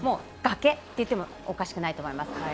崖と言ってもおかしくないと思います。